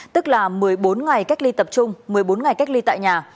tức là một mươi bốn ngày cách ly tập trung một mươi bốn ngày cách ly tại nhà